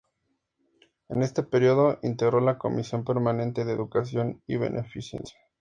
En este período integró la Comisión permanente de Educación y Beneficencia.